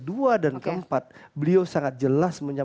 dan ke empat beliau sangat jelas